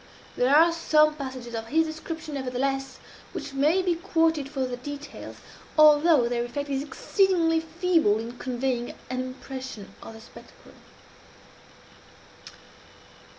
There are some passages of his description, nevertheless, which may be quoted for their details, although their effect is exceedingly feeble in conveying an impression of the spectacle.